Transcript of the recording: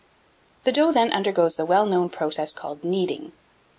The dough then undergoes the well known process called kneading.